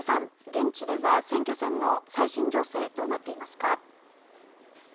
現地では選挙戦の最新情勢どうなっていますか。